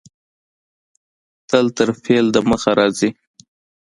تل تر فعل د مخه راځي.